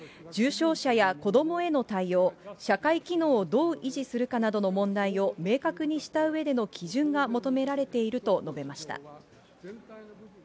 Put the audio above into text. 重症者や子どもへの対応、社会機能をどう維持するかなどの問題を明確にしたうえでの基準が求められていると述べました。